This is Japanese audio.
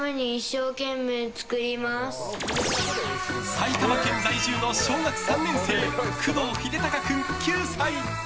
埼玉県在住の小学３年生工藤秀鷹君、９歳。